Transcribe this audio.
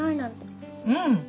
うん。